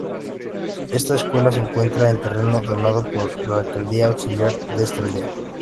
Esta escuela se encuentra en terreno donado por la Alcaldía Auxiliar de esta aldea.